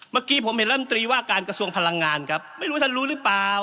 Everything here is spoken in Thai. เมื่อกี้ผมเห็นรัฐมนตรีว่าการกระทรวงพลังงานครับไม่รู้ท่านรู้หรือเปล่า